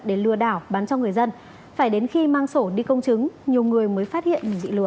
thì phải bảo bán cho người dân phải đến khi mang sổ đi công chứng nhiều người mới phát hiện bị lừa